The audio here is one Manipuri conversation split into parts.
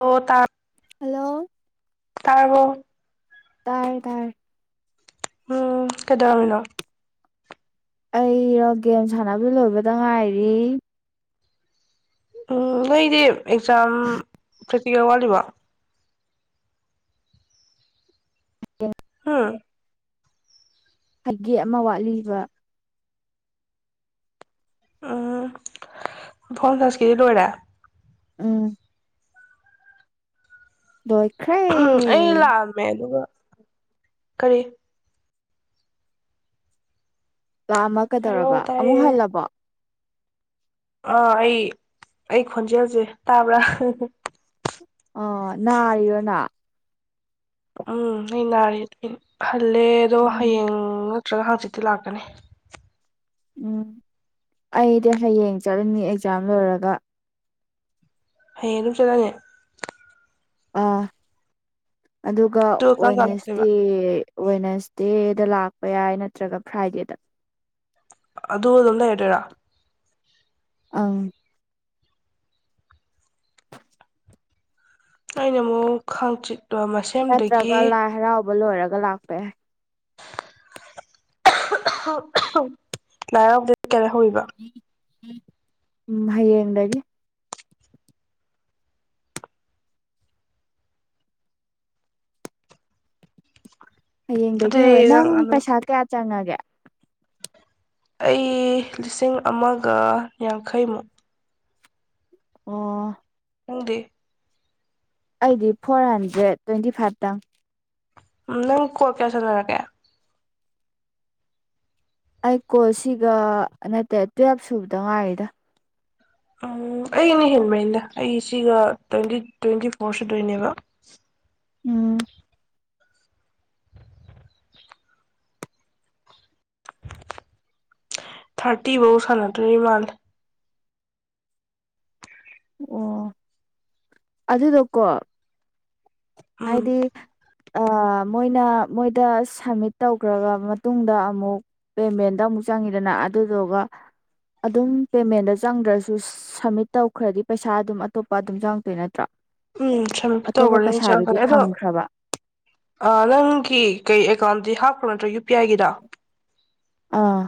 ꯑꯣ ꯇꯥ ꯍꯜꯂꯣ ꯇꯥꯕꯨꯣ ꯇꯥꯏ ꯇꯥꯏ ꯎꯝ ꯀꯩꯗꯧꯔꯝꯃꯤꯅꯣ ꯑꯩꯔꯣ ꯒꯦꯝ ꯁꯥꯟꯅꯕ ꯂꯣꯏꯕꯗ ꯉꯥꯏꯔꯤ ꯎꯝ ꯅꯣꯏꯗꯤ ꯑꯦꯛꯖꯥꯝ ꯄ꯭ꯔꯦꯛꯇꯤꯀꯦꯜ ꯋꯥꯠꯂꯤꯕ ꯍꯦ ꯐꯒꯦ ꯑꯃ ꯋꯥꯠꯂꯤꯕ ꯎꯝ ꯄꯟꯆꯥꯥꯁ ꯀꯦꯖꯤ ꯂꯣꯏꯔꯦ ꯎꯝ ꯂꯣꯏꯈ꯭ꯔꯦ ꯎꯝ ꯏꯂꯃꯦ ꯑꯗꯨꯒ ꯀꯔꯤꯦ ꯂꯥꯑꯝꯃ ꯍꯥꯏꯔꯛꯑꯣ ꯀꯩꯗꯧꯔꯕ ꯑꯃꯨꯛ ꯇꯥꯏꯌꯦ ꯍꯜꯂꯕꯣ ꯑꯥ ꯑꯩ ꯑꯩ ꯈꯣꯟꯖꯦꯜꯁꯦ ꯇꯥꯕ꯭ꯔꯥ ꯑ ꯑꯣꯅꯥ ꯎꯝ ꯍ ꯅꯥꯔꯤ ꯄꯂꯦꯗꯣ ꯎꯝ ꯍꯌꯦꯡ ꯅꯠꯇ꯭ꯔꯒ ꯍꯥꯡꯆꯤꯠꯇꯤ ꯂꯥꯛꯀꯅꯤ ꯎꯝ ꯑꯩꯗꯤ ꯍꯌꯦꯡ ꯆꯠꯂꯅꯤ ꯑꯦꯛꯖꯥꯝ ꯂꯣꯏꯔꯒ ꯍꯌꯦꯡ ꯑꯗꯨꯝ ꯆꯠꯂꯉꯦ ꯑꯥ ꯑꯗꯨꯒ ꯑꯗꯨ ꯀꯔꯝ ꯀꯥꯟ ꯂꯥꯛꯇꯣꯏꯕ ꯑꯣꯏꯅꯁꯦ ꯋꯦꯅꯁꯗꯦꯗ ꯂꯥꯛꯄ ꯌꯥꯏ ꯅꯠꯇ꯭ꯔꯒ ꯐ꯭ꯔꯥꯏꯗꯦꯗ ꯑꯗꯨ ꯑꯗꯨꯝ ꯂꯩꯔꯗꯣꯏꯔꯥ ꯑꯥ ꯑꯩꯅ ꯑꯃꯨꯛ ꯈꯥꯡꯆꯤꯠ ꯇꯣ ꯃꯁꯦꯝꯗꯒꯤ ꯅꯠꯇ꯭ꯔꯒ ꯂꯥꯏ ꯍꯔꯥꯎꯕ ꯂꯣꯏꯔꯒ ꯂꯥꯛꯄꯦ ꯑꯍꯨ ꯑꯍꯨ ꯂꯥꯏ ꯍꯔꯥꯎꯗꯦ꯫ ꯀꯦꯜꯍꯧꯔꯤꯕ ꯎꯝ ꯍꯌꯦꯡꯗꯒꯤ꯫ ꯍꯌꯦꯡꯗꯒꯤ ꯍꯧꯋꯦ ꯑꯗꯨꯗꯤ ꯅꯪ ꯑꯗꯨꯝ ꯄꯩꯁꯥ ꯀꯌꯥ ꯆꯪꯉꯒꯦ꯫ ꯑꯩ ꯂꯤꯁꯤꯡ ꯑꯃꯒ ꯌꯥꯡꯈꯩꯃꯨꯛ꯫ ꯑꯣ꯫ ꯅꯪꯗꯤ꯫ ꯑꯩꯗꯤ ꯐꯣꯔ ꯍꯟꯗ꯭ꯔꯦꯠ ꯇ꯭ꯋꯦꯟꯇꯤ ꯐꯥꯏꯕꯇꯪ꯫ ꯎꯝ ꯅꯪ ꯀꯣꯜ ꯀꯌꯥ ꯁꯥꯟꯅꯔꯒꯦ꯫ ꯑꯩ ꯀꯣꯜ ꯁꯤꯒ ꯅꯠꯇꯦ ꯇꯨꯌꯦꯞ ꯁꯨꯕꯗ ꯉꯥꯏꯔꯤꯗ꯫ ꯎꯝ ꯑꯩꯩꯅ ꯍꯦꯟꯕꯩꯅꯦꯗ ꯑꯩ ꯁꯤꯒ ꯇ꯭ꯋꯦꯟꯇꯤ ꯇ꯭ꯋꯦꯟꯇꯤ ꯐꯣꯔ ꯁꯨꯗꯣꯏꯅꯦꯕ꯫ ꯎꯝ꯫ ꯊꯥꯔꯇꯤꯕꯧ ꯁꯥꯟꯅꯗꯣꯏ ꯃꯥꯥꯜꯂꯦ꯫ ꯑꯣ ꯑꯗꯨꯗꯣ ꯀꯣ ꯎꯝ ꯍꯥꯏꯗꯤ ꯑ ꯃꯣꯏꯅ ꯃꯣꯏꯗ ꯁꯝꯃꯤꯠ ꯇꯧꯒ꯭ꯔꯕ ꯃꯇꯨꯡꯗ ꯑꯃꯨꯛ ꯄꯦꯃꯦꯟꯗ ꯑꯃꯨꯛ ꯆꯪꯉꯤꯗꯅ ꯑꯗꯨꯗꯨꯒ ꯑꯗꯨꯝ ꯄꯦꯃꯦꯟꯗ ꯆꯪꯗ꯭ꯔꯁꯨ ꯁꯝꯃꯤꯠ ꯇꯧꯈ꯭ꯔꯗꯤ ꯄꯩꯁꯥ ꯑꯗꯨꯝ ꯑꯇꯣꯞꯄ ꯑꯗꯨꯝ ꯆꯪꯉꯛꯇꯣꯏ ꯅꯠꯇ꯭ꯔꯣ꯫ ꯎꯝ ꯁꯃꯤꯠ ꯇꯧꯒ ꯑꯇꯣꯞꯄ ꯑꯗꯨꯝ ꯄꯩꯁꯥꯗꯨꯗꯤ ꯆꯪꯉꯛꯀꯅꯤ ꯑꯗꯣ ꯐꯪꯈ꯭ꯔꯕ ꯑ ꯅꯪꯒꯤ ꯀꯩ ꯑꯦꯀꯥꯎꯟꯗꯤ ꯍꯥꯞ ꯌꯨ ꯄꯤ ꯑꯥꯏꯒꯤꯗꯣ꯫ ꯑꯥ꯫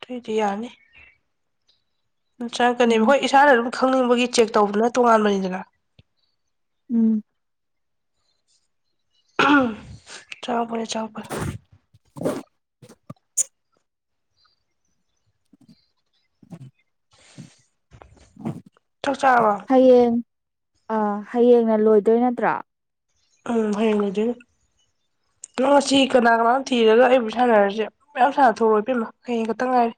ꯇꯨꯏꯗꯤꯌꯥꯅꯤ꯫ ꯎꯝ ꯆꯪꯉꯛꯀꯅꯤ ꯎꯝ ꯍꯣꯏ ꯏꯁꯥꯅ ꯑꯗꯨꯝ ꯈꯪꯅꯤꯡꯕꯒꯤ ꯆꯦꯛ ꯇꯧꯕꯗꯨꯅ ꯇꯣꯉꯥꯟꯕꯅꯤꯗꯅ꯫ ꯎꯝ꯫ [unintelligible] ꯆꯥꯎꯕ꯫ [inaudible] [inaudible] ꯆꯥꯛ ꯆꯥꯔꯕꯣ꯫ ꯍꯌꯦꯡ ꯑꯥ ꯍꯌꯦꯡꯅ ꯂꯣꯏꯗꯣꯏ ꯅꯠꯇ꯭ꯔꯣ꯫ ꯎꯝ ꯍꯌꯦꯡ ꯂꯣꯏꯗꯣꯏꯅꯤ ꯅꯪ ꯉꯁꯤ ꯀꯅꯥ ꯀꯅꯥꯅꯣ ꯊꯤꯔꯒ ꯑꯩꯕꯨ ꯁꯥꯟꯅꯔꯖꯨ ꯌꯥꯏ ꯃꯌꯥꯝ ꯁꯥꯟꯅ ꯊꯣꯛꯑꯨ ꯏꯕꯦꯝꯃ ꯍꯌꯦꯡ ꯈꯛꯇ ꯉꯥꯏꯔꯦ꯫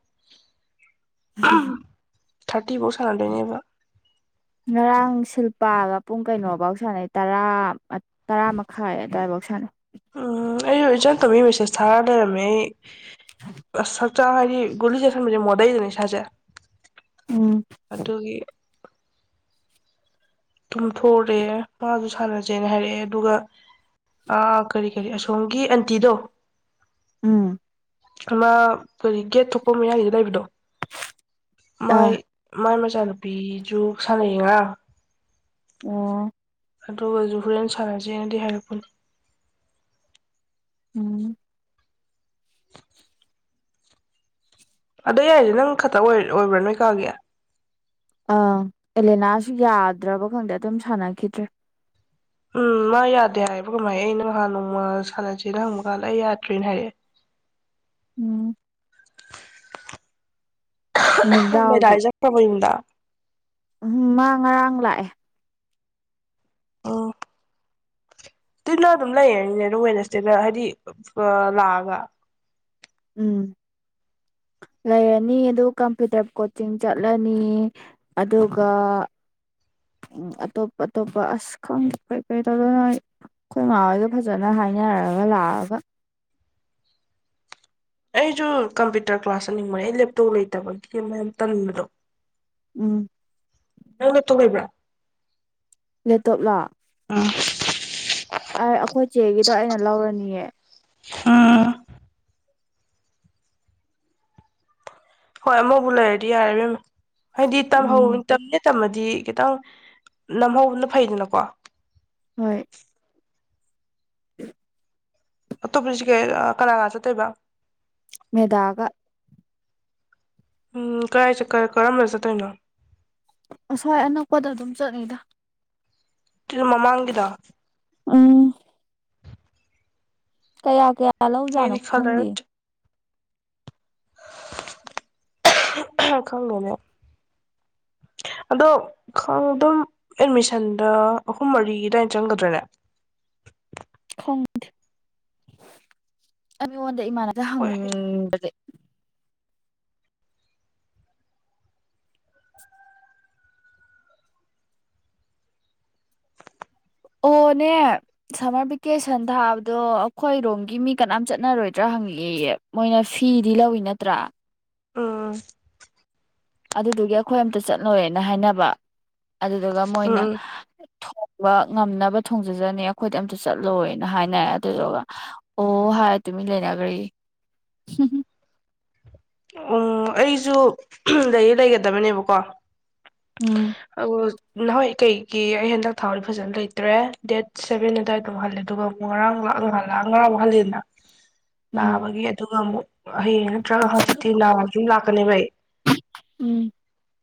[unintelligible] ꯊꯥꯔꯇꯤ ꯐꯥꯎ ꯁꯥꯟꯅꯗꯣꯏꯅꯦꯕ꯫ ꯉꯔꯥꯡ ꯁꯤꯜꯄꯥꯒ ꯄꯨꯡ ꯀꯩꯅꯣꯕꯧ ꯁꯥꯟꯅꯩ ꯇꯔꯥ ꯃꯠ ꯇꯔꯥ ꯃꯈꯥꯏ ꯑꯗꯨꯋꯥꯏꯕꯥꯎ ꯁꯥꯟꯅꯩ꯫ ꯎꯝ ꯑꯩꯖꯨ ꯏꯆꯟ ꯇꯣꯝꯕꯤ ꯃꯦꯁꯦꯁ ꯊꯥꯔꯛ ꯂꯩꯔꯝꯃꯦ ꯑꯩ [unintelligible] ꯆꯥꯔꯦ ꯍꯥꯏꯗꯤ ꯒꯨꯂꯤ ꯆꯥꯁꯟꯕꯖꯦ ꯃꯣꯟꯗꯩꯗꯅ ꯏꯁꯥꯖꯦ꯫ ꯎꯝ ꯑꯗꯨꯒꯤ ꯇꯨꯝꯊꯣꯛꯑꯨꯔꯦ ꯃꯥꯒꯤꯁꯨ ꯁꯥꯟꯅꯁꯦꯅ ꯍꯥꯏꯔꯛꯑꯦ ꯑꯗꯨꯒ ꯀꯔꯤ ꯀꯔꯤ ꯑꯁꯣꯝꯒꯤ ꯑꯟꯇꯤꯗꯣ ꯎꯃ ꯑꯃ ꯀꯔꯤ ꯒꯦꯠ ꯊꯣꯛꯄ ꯃꯌꯥꯏꯒꯤꯗ ꯂꯩꯏꯕꯗꯣ ꯑꯥ ꯃꯥꯏ ꯃꯥꯏ ꯃꯁ ꯏꯆꯥ ꯅꯨꯨꯄꯤꯁꯨꯨ ꯁꯥꯟꯅꯩꯌꯦ ꯉꯔꯡ ꯎꯝ ꯑꯗꯨꯒ ꯨ ꯍꯣꯔꯦꯟ ꯁꯥꯟꯅꯁꯦꯅꯗꯤ ꯍꯥꯏꯔꯛꯄꯅꯤ ꯎꯝ ꯑꯗꯣ ꯑꯩ ꯍꯥꯏꯗꯤ ꯅꯪ ꯈꯛꯇ ꯑꯣꯏꯕ꯭ꯔꯥ ꯅꯣꯏ ꯀꯥꯒꯤ ꯑ ꯑꯦꯂꯦꯅꯥꯁꯨ ꯌꯥꯗ꯭ꯔꯕ ꯈꯪꯗꯦ ꯑꯗꯨꯝ ꯁꯥꯟꯅꯈꯤꯗ꯭ꯔꯦ ꯎꯝ ꯃꯥ ꯌꯥꯗꯦ ꯍꯥꯏꯌꯦꯕ ꯀꯃꯥꯏ ꯑꯩ ꯅꯍꯥꯟ ꯅꯣꯡꯃ ꯁꯥꯟꯅꯁꯤꯦꯅ ꯍꯪꯕ ꯀꯥꯟꯗ ꯑꯩ ꯌꯥꯗ꯭ꯔꯤꯅ ꯍꯥꯏꯔꯛꯑꯦ ꯎꯝ ꯃꯗꯥꯎꯗꯤ ꯃꯗꯥꯏꯖꯕꯗ ꯎꯝ ꯃ ꯉꯔꯥꯡ ꯂꯥꯛꯑꯦ ꯇꯨꯅ ꯑꯗꯨꯝ ꯂꯩꯔꯅꯤꯅꯦ ꯑꯗꯨꯝ ꯋꯦꯁꯗꯦꯗ ꯍꯥꯏꯗꯤ ꯂꯥꯛꯑꯒ ꯎꯝ ꯂꯩꯔꯅꯤ ꯑꯗꯨ ꯀꯝꯄ꯭ꯌꯨꯇꯔ ꯀꯣꯆꯤꯡ ꯆꯠꯂꯅꯤ ꯑꯗꯨꯒ ꯑꯇꯣꯞ ꯑꯇꯣꯞꯄ ꯑꯁ ꯀꯩꯀꯩ ꯇꯧꯗꯣꯏꯅꯣ ꯑꯩꯈꯣꯏ ꯉꯥ ꯍꯣꯏꯒ ꯐꯖꯅ ꯍꯥꯏꯅꯔꯒ ꯂꯥꯛꯑꯒ ꯑꯩꯁꯨ ꯀꯝꯄ꯭ꯌꯨꯇꯔ ꯀ꯭ꯂꯥꯁ ꯆꯠꯅꯤꯡꯕꯅꯦ ꯑꯩ ꯂꯦꯞꯇꯣꯞ ꯂꯩꯇꯕꯒꯤ ꯑꯃꯣꯛ ꯇꯟꯕꯗꯣ ꯎꯝ ꯅꯒ ꯂꯥꯞꯇꯣꯞ ꯂꯩꯕꯥꯔꯥ ꯂꯑꯦꯄꯇꯣꯞ ꯂꯣ ꯑ ꯑꯩꯈꯣꯏ ꯆꯦꯒꯤꯗꯣ ꯑꯩꯅ ꯂꯧꯔꯅꯤꯌꯦ ꯑꯝ ꯍꯣꯏ ꯑꯃꯣꯏꯕꯨ ꯂꯩꯔꯗꯤ ꯌꯥꯔꯦ ꯏꯕꯦꯃꯥ ꯍꯣꯏꯗꯤ ꯇꯝ ꯍ ꯎꯝ ꯇꯝꯃꯦ ꯇ ꯗꯤ ꯈꯤꯇꯪ ꯅꯝꯍꯧꯕꯅ ꯐꯩꯗꯅꯀꯣ ꯍꯣꯏ [inaudible] [unintelligible] ꯑꯇꯣꯞꯄꯅꯁꯨ ꯀꯩ ꯀꯂꯥꯀꯥꯔ ꯆꯠꯇꯣꯏꯕ ꯃꯦꯗꯥꯒ ꯎꯝ ꯀꯥꯏ ꯀꯔꯝꯕ ꯆꯠꯇꯣꯏꯅꯣ ꯑꯁꯣꯏ ꯑꯅꯛꯄꯗ ꯑꯗꯨꯝ ꯆꯠꯂꯤꯗ ꯇꯔ ꯃꯃꯥꯡꯒꯤꯗ ꯑꯥ ꯀꯌꯥ ꯀꯌꯥ ꯂꯧꯖꯠꯅꯤ ꯑꯩꯗꯤ ꯈꯪꯗꯦ ꯈꯪꯒꯅꯦ ꯑꯗꯣ ꯑꯗꯨꯝ ꯑꯦꯠꯃꯤꯁꯟꯗ ꯑꯍꯨꯝ ꯃꯔꯤ ꯑꯗꯨꯏꯅ ꯆꯪꯒꯗ꯭ꯔꯦꯅꯦ ꯈꯪꯗꯑꯦ ꯑꯩꯉꯣꯟꯗꯥ ꯏꯃꯥꯟꯅꯕꯤ ꯗꯥ ꯍꯣꯏ ꯍꯪꯕꯁꯦ ꯑꯣꯅꯦ ꯁꯝꯃꯔ ꯚꯦꯀꯦꯁꯟ ꯊꯥꯕꯗꯣ ꯑꯩꯈꯣꯏꯔꯣꯝꯒꯤ ꯃꯤ ꯀꯅꯥꯝ ꯆꯠꯅꯔꯣꯏꯗ꯭ꯔꯥ ꯍꯪꯉꯛꯏꯌꯦ ꯃꯣꯏꯅ ꯐꯤꯗꯤ ꯂꯧꯏꯤ ꯅꯠꯇ꯭ꯔꯥ ꯎꯝ ꯑꯗꯨꯗꯨꯒꯤ ꯑꯩꯈꯣꯏ ꯑꯝꯇ ꯆꯠꯂꯨꯔꯦꯅ ꯍꯥꯏꯅꯕ ꯑꯗꯨꯗꯨꯒ ꯎꯝ ꯃꯣꯏꯅ ꯎꯝ ꯊꯣꯡꯕ ꯉꯝꯅꯕ ꯊꯣꯡꯖꯖꯅꯤ ꯑꯩꯈꯣꯏꯗꯤ ꯑꯝꯇ ꯆꯠꯂꯣꯏꯅ ꯍꯥꯏꯅꯔꯦ ꯑꯗꯨꯗꯨꯒ ꯑꯣ ꯍꯥꯏꯔ ꯇꯨꯃꯤ ꯂꯩꯅꯈ꯭ꯔꯦ ꯑꯣ ꯑꯩꯁꯨ ꯂꯩ ꯂꯩꯒꯗꯕꯅꯦꯕꯀꯣ ꯎꯝ ꯑ ꯅꯍꯣꯏ ꯀꯩꯒꯤ ꯑꯩ ꯍꯟꯗꯛ ꯊꯥꯎꯗꯤ ꯐꯖꯅ ꯂꯩꯇ꯭ꯔꯦ ꯗꯦꯠ ꯁꯚꯦꯟ ꯑꯗꯨꯋꯥꯏꯗꯝ ꯍꯜꯂꯦ ꯑꯗꯨꯒ ꯑꯃꯨꯛ ꯉꯔꯥꯡ ꯂꯥꯛꯍꯜꯂꯥꯛꯑ ꯉꯔꯥꯡ ꯑꯃꯨꯛ ꯍꯜꯂꯤꯂꯦꯅ ꯎꯝ ꯅꯥꯕꯒꯤ ꯑꯗꯨꯒ ꯑꯃꯨꯛ ꯍꯌꯦꯠꯇ꯭ꯔꯖꯤ ꯀꯅꯤ ꯎꯝ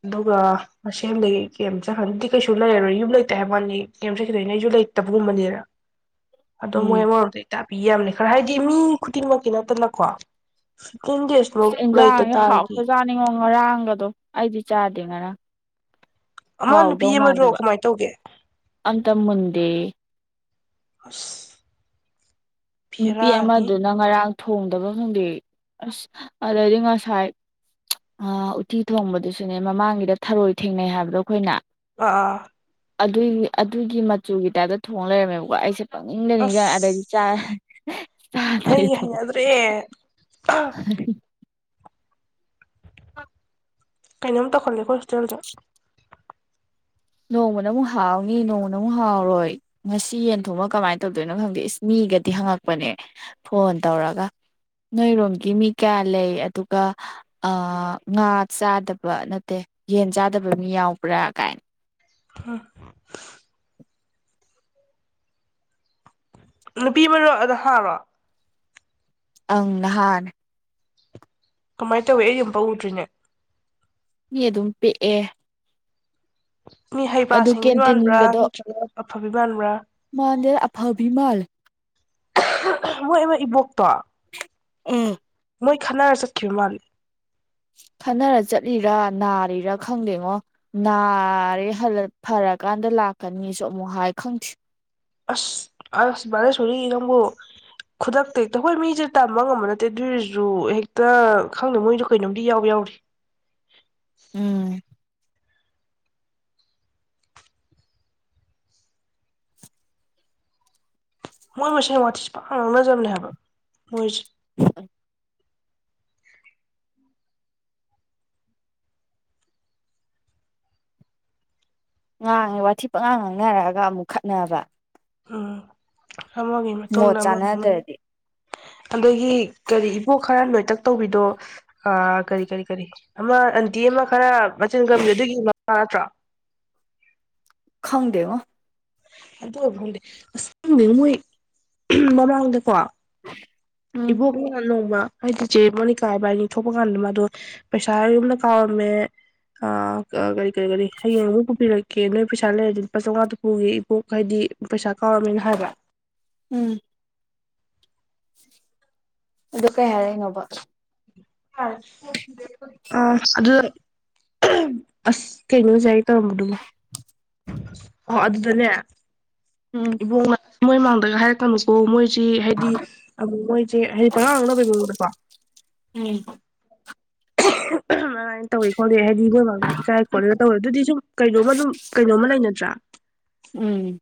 ꯑꯗꯨꯒ ꯃꯁ ꯂꯩ ꯀꯦꯝ ꯆꯠꯈꯗꯗꯤ ꯀꯩꯁꯨ ꯂꯩꯔꯔꯣꯏ ꯌꯨꯝ ꯂꯩꯇꯦ ꯍꯥꯏꯕ ꯃꯥꯅꯤ ꯀꯦꯝ ꯆꯠꯈꯤꯗꯣꯏ ꯅ ꯑꯩꯁꯨ ꯂꯩꯇꯕꯒꯨꯝꯕꯅꯤꯅ ꯑꯗꯣ ꯎꯝ ꯃꯣꯏꯦ ꯃꯔꯔꯗꯦ ꯇꯥꯛ ꯄꯤ ꯌꯥꯝꯅꯤ ꯈꯔ ꯍꯥꯏꯗꯤ ꯃꯤ ꯈꯨꯗꯤꯡꯃꯛꯀꯤ ꯅꯠꯇꯅꯀꯣ [unintelligible] ꯌꯦꯟꯖꯥꯡꯁꯦ ꯇꯥꯔꯗꯤ ꯍꯥꯎꯄ ꯆꯥꯅꯤꯡꯉꯣ ꯉꯔꯥꯡꯒꯗꯣ ꯑꯩꯗꯤ ꯆꯥꯗꯦ ꯉꯔꯥꯡ ꯑꯃ ꯅꯨꯄꯤ ꯍꯥꯎꯗꯧ ꯑꯃꯗꯣ ꯃꯥꯟꯗꯕ ꯀꯃꯥꯏꯅ ꯇꯧꯒꯦ ꯑꯝꯇ ꯃꯨꯟꯗꯦ ꯑꯁ ꯅꯨꯄꯤ ꯚꯦꯔꯥꯅꯤ ꯑꯃꯗꯨꯅ ꯉꯔꯥꯡ ꯊꯣꯡꯗꯕ ꯈꯪꯗꯦ ꯑꯁ ꯑꯗꯩꯗꯤ ꯉꯁꯥꯏ ꯎꯠꯇꯤ ꯊꯣꯡꯕꯗꯨꯁꯨꯅꯦ ꯃꯃꯥꯡꯒꯤꯗ ꯊꯔꯣꯏ ꯊꯦꯡꯅꯩ ꯍꯥꯏꯕꯗꯣ ꯑꯩꯈꯣꯏꯅ ꯑꯥ ꯑꯗꯨꯒꯤ ꯑꯗꯨꯒꯤ ꯃꯆꯨꯒꯤ ꯇꯥꯏꯞꯇ ꯊꯣꯡ ꯂꯩꯔꯝꯃꯦꯕꯀꯣ ꯑꯩꯁꯦ ꯅꯤꯡꯗ ꯅꯤꯡꯒ ꯑꯗꯩꯗꯤ ꯆꯥ ꯑꯁ [unintelligible] ꯑꯩ ꯍꯩꯅꯥꯗ꯭ꯔꯦ ꯀꯩꯅꯣꯝ ꯇꯧꯈꯜꯂꯦꯀꯣ ꯍꯣꯁꯇꯦꯜꯗ ꯅꯣꯡꯃꯅ ꯑꯃꯨꯛ ꯍꯥꯎꯅꯤ ꯅꯣꯡꯃꯅ ꯑꯃꯨꯛ ꯍꯥꯎꯔꯣꯏ ꯉꯁꯤ ꯌꯦꯟ ꯊꯣꯡꯃ ꯀꯃꯥꯏꯅ ꯇꯧꯗꯣꯏꯅꯣ ꯈꯪꯗꯦ ꯏꯁ ꯃꯤꯒꯗꯤ ꯍꯪꯉꯛꯄꯅꯦ ꯐꯣꯟ ꯇꯧꯔꯒ ꯅꯣꯏꯔꯣꯝꯒꯤ ꯃꯤ ꯀꯌꯥ ꯂꯩ ꯑꯗꯨꯒ ꯉꯥ ꯆꯥꯗꯕ ꯅꯠꯇꯦ ꯌꯦꯟ ꯆꯥꯗꯕ ꯃꯤ ꯌꯥꯎꯕ꯭ꯔꯥ ꯀꯥꯏꯅ [unintelligible] ꯅꯨꯄꯤ ꯃꯔꯣ ꯑꯗ ꯍꯥꯔꯣ ꯑꯪ ꯅꯍꯥꯅ ꯀꯃꯥꯏꯅ ꯇꯧꯏꯤ ꯑꯩ ꯑꯃꯄꯧ ꯎꯗ꯭ꯔꯤꯅꯦ ꯃꯤ ꯑꯗꯨꯝ ꯄꯤꯛꯑꯦ ꯃꯤ ꯍꯩꯕ ꯑꯗꯨ ꯁꯤꯡꯕꯤ ꯃꯥꯟꯕ꯭ꯔꯥ ꯅꯠꯇ꯭ꯔꯒ ꯑꯐꯕꯤ ꯃꯥꯟꯕ꯭ꯔꯥ ꯃꯥꯟꯗ ꯑꯐꯕꯤ ꯃꯥꯜꯂꯦ ꯃꯣꯏ ꯏ ꯏꯕꯣꯛꯇꯣ ꯎꯝ ꯃꯣꯏ ꯈꯠꯅꯔ ꯆꯠꯈꯤꯕ ꯃꯥꯜꯂꯦ ꯈꯟꯅꯔ ꯆꯠꯂꯤꯔꯥ ꯅꯥꯔꯤꯔꯥ ꯈꯪꯗꯦꯉꯣ ꯅꯥꯔꯦ ꯐꯔꯀꯥꯟꯗ ꯂꯥꯛꯀꯅꯤꯁꯨ ꯑꯃꯨꯛ ꯍꯥꯏ ꯈꯪꯗꯦ ꯑꯁ ꯑꯁ ꯕꯥꯂꯦꯁꯣꯔꯤ ꯅꯪꯕꯨ ꯈꯨꯗꯛꯇ ꯍꯦꯛꯇ ꯍꯣꯏ ꯃꯤꯁꯦ ꯇꯝꯕ ꯉꯝꯕ ꯅꯠꯇꯦ ꯑꯗꯨꯏꯁꯨ ꯍꯦꯛꯇ ꯈꯪꯗꯦ ꯃꯣꯏꯁꯨ ꯀꯩꯅꯣꯝꯗꯤ ꯌꯥꯎꯕ ꯌꯥꯎꯔꯤ ꯎꯝ ꯃꯣꯏ ꯃꯁꯦꯟ ꯋꯥꯊꯤꯁꯤ ꯄꯥꯉꯥꯡ ꯉꯥꯡꯅꯖꯕꯅꯦ ꯍꯥꯏꯕ ꯃꯣꯏ ꯉꯥꯡꯉꯦ ꯋꯥꯊꯤ ꯄꯉꯥꯡ ꯉꯥꯡꯅꯔꯑꯒ ꯑꯃꯨꯛ ꯈꯠꯅꯕ ꯑꯥ ꯑꯃꯒꯤ ꯃꯣꯠ ꯃꯇꯨꯡꯗ ꯑꯃ ꯑꯃ ꯆꯥꯟꯅꯗ꯭ꯔꯗꯤ ꯑꯗꯒꯤ ꯀꯔꯤ ꯏꯕꯣ ꯈꯔ ꯅꯣꯏꯇꯛ ꯇꯧꯕꯤꯗꯣ ꯀꯔꯤ ꯀꯔꯤ ꯀꯔꯤ ꯑꯃ ꯑꯟꯇꯤ ꯑꯃ ꯈꯔ ꯃꯆꯤꯟ ꯀꯟꯕꯤꯗꯣ ꯑꯗꯨꯒꯤ ꯇꯥꯗꯔꯣ ꯈꯪꯗꯦ ꯉꯣ ꯑꯗꯨ ꯑꯣꯏꯕ ꯈꯪꯗꯦ ꯑꯁ ꯈꯪꯗꯦ ꯃꯣꯏ ꯃꯃꯥꯡꯗꯀꯣ ꯎꯝ ꯏꯕꯣꯛꯅ ꯅꯣꯡꯃ ꯍꯥꯏꯗꯤ ꯆꯦ ꯃꯣꯅꯤꯀꯥ ꯢꯕꯅꯤ ꯊꯣꯛꯄ ꯀꯥꯟꯗ ꯃꯥꯗꯣ ꯄꯩꯁꯥ ꯌꯨꯝꯗ ꯀꯥꯎꯔꯝꯃꯦ ꯀꯔꯤ ꯀꯔꯤ ꯀꯔꯤ ꯍꯌꯦꯡ ꯑꯃꯨꯛ ꯄꯨꯕꯤꯔꯛꯀꯦ ꯅꯣꯏ ꯄꯩꯁꯥ ꯂꯩꯔꯗꯤ ꯂꯨꯄꯥ ꯆꯎꯉꯥꯇ ꯄꯨꯨꯒꯦ ꯏꯕꯣꯛ ꯍꯥꯏꯗꯤ ꯄꯩꯁꯥ ꯀꯧꯔꯝꯃꯦꯅ ꯍꯥꯏꯕ ꯎꯝ ꯑꯗꯨ ꯀꯩ ꯍꯥꯏꯔꯛꯏꯅꯣꯕ ꯑ ꯑꯗꯨ ꯑꯁ ꯀꯩꯩꯅꯣ ꯍꯧꯖꯤꯛ ꯍꯥꯏꯒꯦ ꯇꯧꯔꯝꯕꯗꯨꯕꯣ ꯑꯣ ꯑꯗꯨꯗꯅꯦ ꯎꯝ ꯏꯕꯣꯛꯅ ꯃꯣꯏ ꯃꯥꯡꯗꯒ ꯍꯥꯏꯔꯛꯀꯅꯨꯀꯣ ꯃꯣꯏ ꯁꯤ ꯍꯥꯏꯗꯤ ꯃꯣꯏꯁꯦ ꯍꯥꯏꯗꯤ ꯄꯉꯥ ꯉꯛꯅꯕꯒꯤ ꯃꯑꯣꯡꯗꯀꯣ ꯎꯝ ꯃꯥꯏꯅ ꯇꯧꯋꯦ ꯈꯣꯠꯂꯤ [unintelligible] ꯏꯀꯥꯏ ꯈꯣꯠꯂꯦꯅ ꯇꯧꯋꯦ ꯗꯨꯗꯤ ꯁꯨꯝ ꯀꯩꯅꯣꯃ ꯑꯗꯨꯝ ꯀꯩꯅꯣꯃ ꯂꯩꯅ ꯇꯔꯥ ꯎꯝ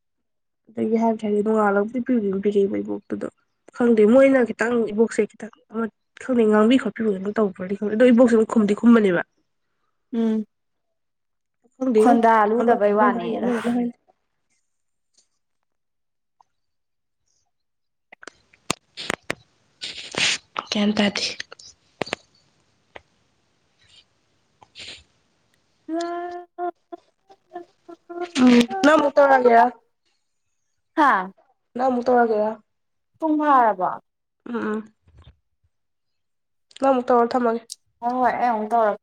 ꯑꯗꯒꯤ ꯍꯥꯏꯕꯨꯗꯤ ꯍꯥꯏꯗꯦ ꯅꯣꯡꯉꯥꯜꯂꯕꯨꯗꯤ ꯄꯤꯕꯕꯨꯗꯤ ꯑꯗꯨꯝ ꯄꯤꯔꯛꯑꯦ ꯏꯕꯣꯛꯇꯨꯗꯣ ꯈꯪꯗꯦ ꯃꯣꯏꯅ ꯈꯤꯇꯪ ꯏꯕꯣꯛꯁꯦ ꯈꯤꯇꯪ ꯑꯃ ꯈꯪꯗꯦ ꯉꯥꯡꯕꯤ ꯈꯣꯠꯄꯤꯕꯒ ꯇꯧꯕꯔꯗꯤ ꯈꯪꯗꯦ ꯑꯗꯣ ꯏꯕꯣꯛꯁꯦ ꯑꯃꯨꯛ ꯈꯨꯝꯗꯤ ꯈꯨꯝꯕꯅꯦꯕ ꯎꯝ ꯈꯪꯗꯦꯉꯣ ꯈꯣꯟꯗꯥ ꯑꯃꯅ ꯂꯨꯗꯕꯩ ꯑꯃꯥ ꯍꯥꯏꯅꯤ ꯋꯥꯅꯦꯗ ꯑꯃꯅ ꯑꯃ ꯍꯥꯏꯅꯤ ꯒꯌꯟꯇꯗꯦ [unintelligible] [unintelligible] ꯎꯝ ꯑꯃꯨꯛ ꯇꯎꯔꯒꯦꯔ ꯍꯥꯥ ꯅꯪ ꯑꯃꯨꯛ ꯇꯧꯔꯒꯦꯔꯥ ꯄꯨꯡ ꯐꯔꯥꯕꯣ ꯑꯝ ꯅꯪ ꯑꯃꯨꯛ ꯇꯧꯔꯣ ꯊꯝꯃꯥꯒꯦ ꯍꯣꯏ ꯍꯣꯏ ꯑꯩ ꯑꯃꯨꯛ ꯇꯧꯔꯛ